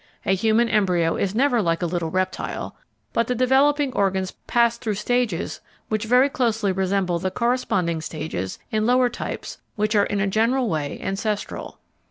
A human embryo is never like a little reptile, but the developing organs pass through stages which very closely resemble the corresponding stages in lower types which are in a general way ancestral.